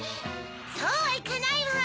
そうはいかないわ！